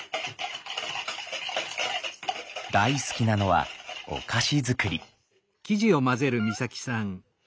大好きなのはお菓子作り。